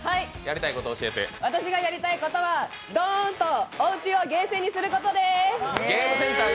私がやりたいことはドーンとおうちをゲームセンターにすることです。